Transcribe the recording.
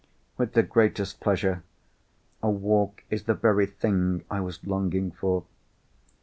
"With the greatest pleasure. A walk is the very thing I was longing for."